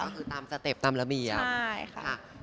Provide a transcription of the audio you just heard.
คือตามสเต็ปตามระเบียบ